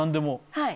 はい。